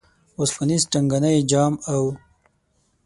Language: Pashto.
وسپنیز ټنګانی جام او